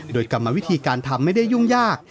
โดยกรรมวิธีการทำไม่ได้ยุ่งยาก